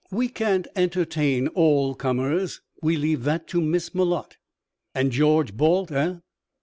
"We can't entertain all comers. We leave that to Miss Malotte." "And George Balt, eh?"